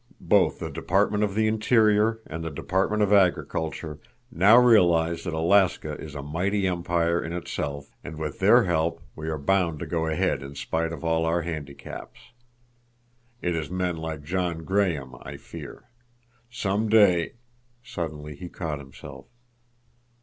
Both the Department of the Interior and the Department of Agriculture now realize that Alaska is a mighty empire in itself, and with their help we are bound to go ahead in spite of all our handicaps. It is men like John Graham I fear. Some day—" Suddenly he caught himself.